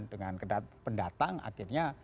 dengan pendatang akhirnya